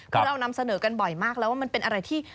คือเรานำเสนอกันบ่อยมากแล้วว่ามันเป็นอะไรที่